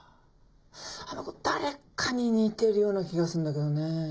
あの子誰かに似てるような気がするんだけどねえ。